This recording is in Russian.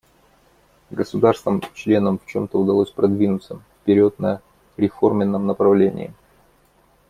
Государствам-членам в чем-то удалось продвинуться вперед на реформенном направлении.